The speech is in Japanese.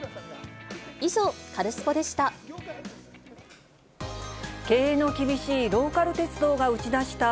以上、カルスポっ！でした。